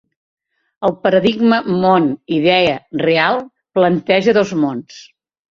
El paradigma món-idea-real planteja dos mons.